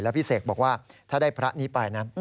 พี่เสกบอกว่าถ้าได้พระนี้ไปนะ